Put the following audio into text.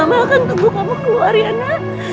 mama akan tunggu kamu keluar riana